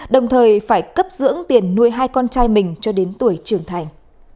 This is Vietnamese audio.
đồng thời phải cấp dưỡng tiền nuôi hai con trai mình cho đến tuổi trưởng thành